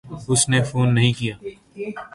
اس نے فون نہیں کیا۔